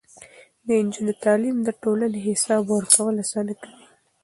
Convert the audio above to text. د نجونو تعليم د ټولنې حساب ورکول اسانه کوي.